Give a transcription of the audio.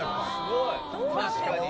確かに。